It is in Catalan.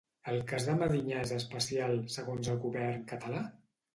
El cas de Medinyà és especial, segons el govern català?